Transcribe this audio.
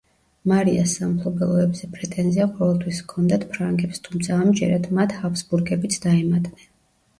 მარიას სამფლობელოებზე პრეტენზია ყოველთვის ჰქონდათ ფრანგებს, თუმცა ამჯერად მათ ჰაბსბურგებიც დაემატნენ.